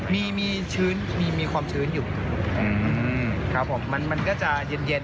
มีมีชื้นมีความชื้นอยู่ครับผมมันก็จะเย็นเย็น